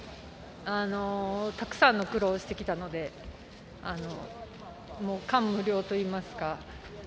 たくさんの苦労をしてきたので感無量といいますか